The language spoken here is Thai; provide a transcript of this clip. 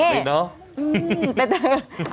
เป็นเป็นเด็กด้วยเนอะ